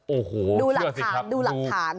โอ้โหดูหลักฐานดูหลักฐาน